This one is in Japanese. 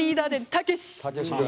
たけし君。